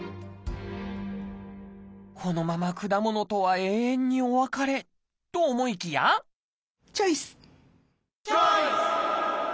このまま果物とは永遠にお別れと思いきやチョイス！